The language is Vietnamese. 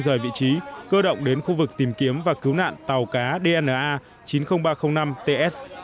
rời vị trí cơ động đến khu vực tìm kiếm và cứu nạn tàu cá dna chín mươi nghìn ba trăm linh năm ts